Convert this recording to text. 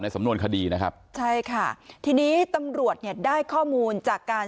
สำนวนคดีนะครับใช่ค่ะทีนี้ตำรวจเนี่ยได้ข้อมูลจากการ